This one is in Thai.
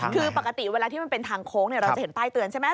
คือปกติเวลาที่มันเป็นทางโค้งเราจะเห็นป้ายเตือนใช่ไหม